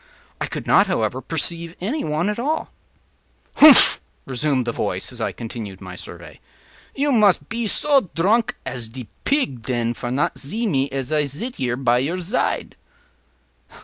I could not, however, perceive any one at all. “Humph!” resumed the voice, as I continued my survey, “you mus pe so dronk as de pig, den, for not zee me as I zit here at your zide.